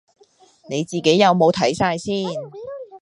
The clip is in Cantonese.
你自己有冇睇晒先